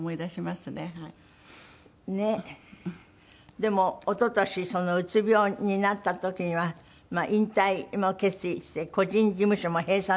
でも一昨年うつ病になった時には引退も決意して個人事務所も閉鎖なさったりして。